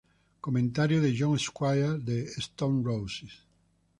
Comentario de John Squire de The Stone Roses.